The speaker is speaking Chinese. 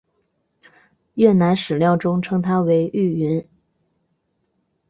越南史料中称她为玉云。